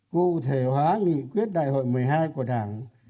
cụ thể hóa nghị quyết đại hội một mươi hai của đảng